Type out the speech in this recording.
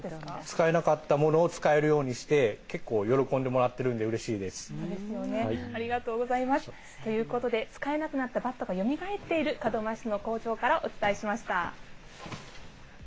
使えなかったものを使えるようにして結構、喜んでもらってるんでうれしいです。ということで使えなくなったバットがよみがえっている門真市の工場からお伝えしました。